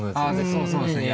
そうそうですね。